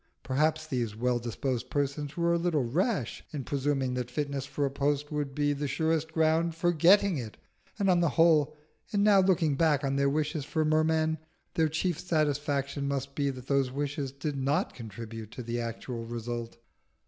Perhaps these well disposed persons were a little rash in presuming that fitness for a post would be the surest ground for getting it; and on the whole, in now looking back on their wishes for Merman, their chief satisfaction must be that those wishes did not contribute to the actual result.